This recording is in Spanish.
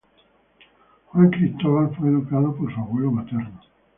Juan Cristóbal fue educado por su abuelo materno.